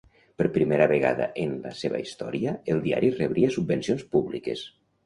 Per primera vegada en la seva història el diari rebria subvencions públiques.